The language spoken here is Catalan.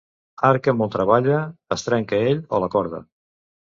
Arc que molt treballa, es trenca ell o la corda.